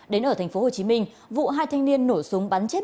đến ở thành phố hồ chí minh vụ hai thanh niên nổ súng bắn chết